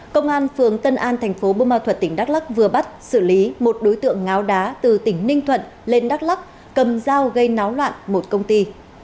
công an phường tân an thành phố bô ma thuật tỉnh đắk lắc vừa bắt xử lý một đối tượng ngáo đá từ tỉnh ninh thuận lên đắk lắc cầm dao gây náo loạn một công ty